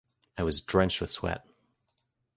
I was drenched with sweat.